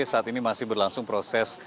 saat ini masih berlangsung proses